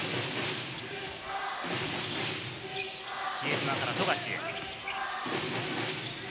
比江島から富樫へ。